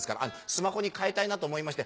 スマホに替えたいなと思いまして」。